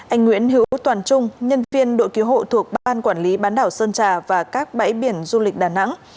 anh nguyễn hữu toàn trung nhân viên đội cứu hộ thuộc ban quản lý bán đảo sơn trà và các bãi biển du lịch đà nẵng